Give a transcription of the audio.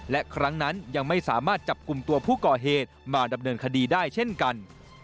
และครั้งนั้นยังไม่สามารถจับกลุ่มตัวผู้ก่อเหตุมาดำเนินคดีได้เช่นกัน